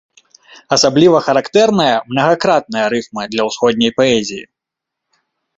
Асабліва характэрная мнагакратная рыфма для ўсходняй паэзіі.